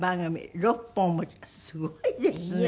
すごいですね。